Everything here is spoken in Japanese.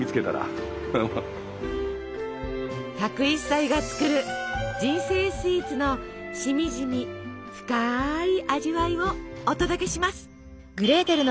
１０１歳が作る「人生スイーツ」のしみじみ深い味わいをお届けします。